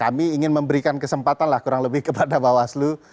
kami ingin memberikan kesempatan lah kurang lebih kepada bawaslu